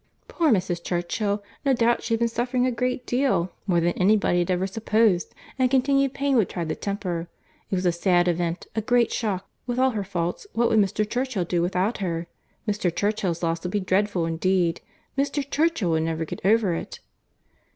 "Poor Mrs. Churchill! no doubt she had been suffering a great deal: more than any body had ever supposed—and continual pain would try the temper. It was a sad event—a great shock—with all her faults, what would Mr. Churchill do without her? Mr. Churchill's loss would be dreadful indeed. Mr. Churchill would never get over it."